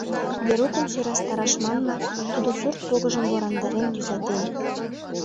Верукым сӧрастараш манынак, тудо сурт погыжым ворандарен, тӱзатен.